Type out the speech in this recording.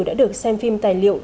đã được xem phim tài liệu